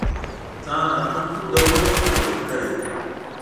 ځان راتلونکو دورو پیاوړی کړي